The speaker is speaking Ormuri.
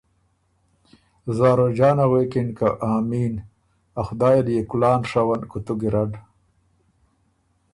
زاروجانه غوېکِن که ”آمین، ا خدای ال يې کلان ڒوّن، کُوتُو ګیرډ“